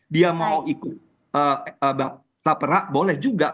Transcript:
dia mau ikut laporak boleh juga